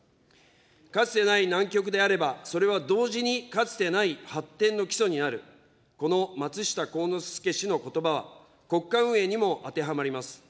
かつてない難局であれば、それは同時にかつてない発展の基礎になる、この松下幸之助氏のことばは、国家運営にも当てはまります。